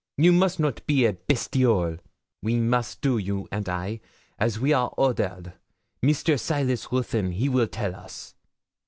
You must not be a bestiole. We must do, you and I, as we are ordered. Mr. Silas Ruthyn he will tell us.'